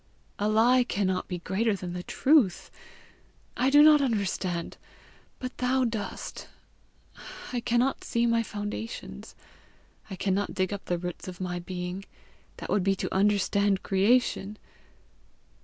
A lie cannot be greater than the truth! I do not understand, but thou dost. I cannot see my foundations; I cannot dig up the roots of my being: that would be to understand creation!